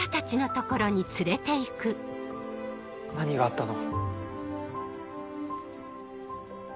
何があったの？